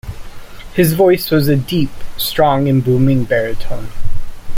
His voice was a deep, strong and booming baritone.